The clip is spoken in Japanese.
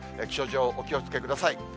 気象情報、お気をつけください。